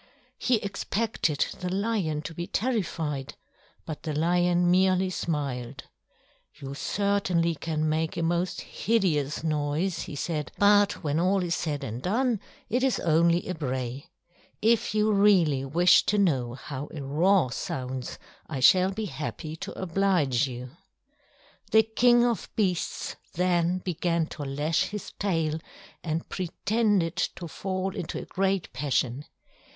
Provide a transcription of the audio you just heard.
He expected the lion to be terrified, but the lion merely smiled. "You certainly can make a most hideous noise," he said; "but when all is said and done, it is only a bray. If you really wish to know how a roar sounds I shall be happy to oblige you." The King of Beasts then began to lash his tail and pretended to fall into a great passion.